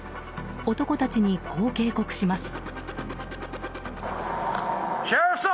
男たちにこう警告します。